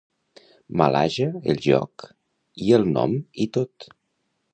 Malhaja el joc i el nom i tot.